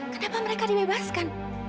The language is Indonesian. kenapa mereka dibebaskan